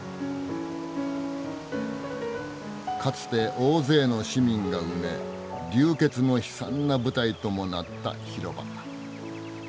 かつて大勢の市民が埋め流血の悲惨な舞台ともなった広場。